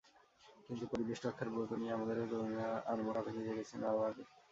কিন্তু পরিবেশ রক্ষার ব্রত নিয়ে আমাদের তরুণেরা আড়মোড়া ভেঙে জেগেছেন তারও আগে।